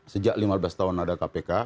sejak lima belas tahun ada kpk